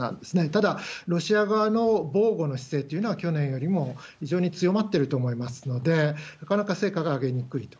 ただ、ロシア側の防護の姿勢というのは去年よりも非常に強まってると思いますので、なかなか成果が上げにくいと。